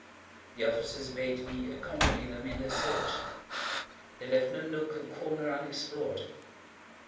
The officers bade me accompany them in their search. They left no nook or corner unexplored.